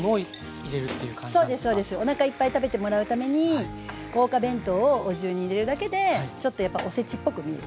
おなかいっぱい食べてもらうために豪華弁当をお重に入れるだけでちょっとやっぱおせちっぽく見える。